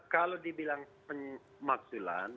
kalau dibilang pemakzulan